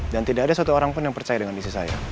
dan tidak ada satu orang pun yang percaya dengan isi saya